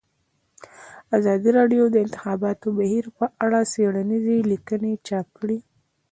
ازادي راډیو د د انتخاباتو بهیر په اړه څېړنیزې لیکنې چاپ کړي.